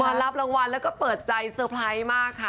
รับรางวัลแล้วก็เปิดใจเซอร์ไพรส์มากค่ะ